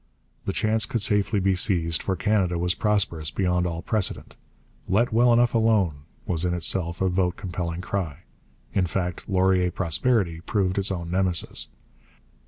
The chance could safely be seized, for Canada was prosperous beyond all precedent. 'Let well enough alone' was in itself a vote compelling cry. In fact, 'Laurier prosperity' proved its own Nemesis.